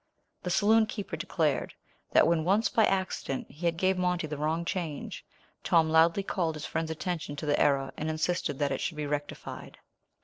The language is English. The saloon keeper declared that when once by accident he gave Monty the wrong change, Tom loudly called his friend's attention to the error and insisted that it should be rectified.